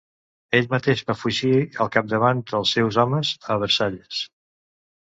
Ell mateix va fugir, al capdavant dels seus homes, a Versalles.